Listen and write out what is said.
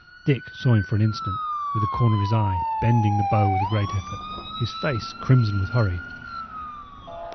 Dick saw him for an instant, with the corner of his eye, bending the bow with a great effort, his face crimson with hurry.